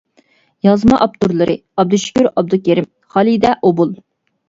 يازما ئاپتورلىرى: ئابدۇشۈكۈر ئابدۇكېرىم، خالىدە ئوبۇل.